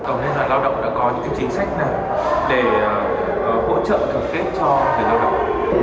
còn thế là lao động đã có những chính sách nào để hỗ trợ thưởng tết cho người lao động